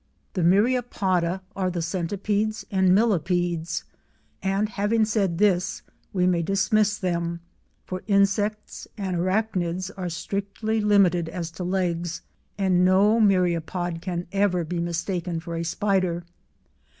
The Myriapoda are the centipedes and millipedes, and having said this we may dismiss them, for insects and arachnids are strictly limited as to legs; and no myriapod can ever be mistaken for a spider.